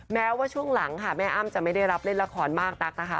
แม้ว่าช่วงหลังค่ะแม่อ้ำจะไม่ได้รับเล่นละครมากนักนะคะ